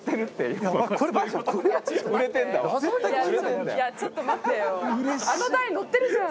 いやちょっと待ってよ。